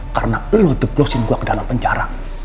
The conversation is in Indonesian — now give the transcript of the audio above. karena lo deglosin gue ke dalam penjara